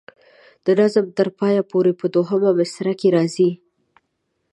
د نظم تر پایه پورې په دوهمه مصره کې راځي.